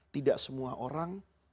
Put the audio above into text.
tidak semua orang